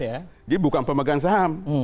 jadi bukan pemegang saham